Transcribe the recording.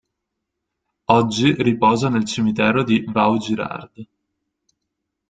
Oggi riposa nel Cimitero di Vaugirard.